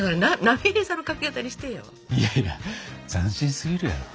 いやいや斬新すぎるやろ。